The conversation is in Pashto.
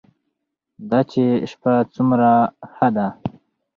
دا چې شپه څومره ښه ده.